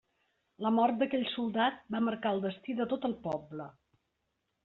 La mort d’aquell soldat va marcar el destí de tot el poble.